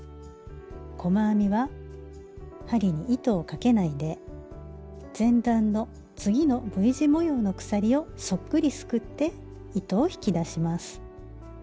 細編みは針に糸をかけないで前段の次のＶ字模様の鎖をそっくりすくって糸を引き出します。